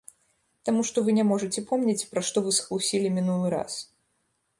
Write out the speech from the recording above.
Таму што вы не можаце помніць, пра што вы схлусілі мінулы раз.